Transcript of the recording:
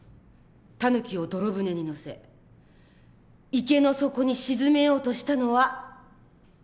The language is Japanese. タヌキを泥舟に乗せ池の底に沈めようとしたのはあなたですね？